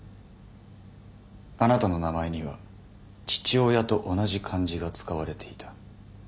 あなたの名前には父親と同じ漢字が使われていた。